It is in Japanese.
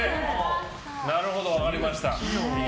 なるほど、分かりました。